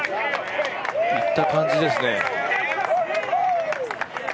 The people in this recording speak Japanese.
いった感じですね。